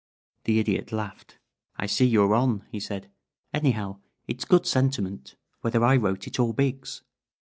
The Idiot laughed. "I see you're on," he said. "Anyhow, it's good sentiment, whether I wrote it or Biggs.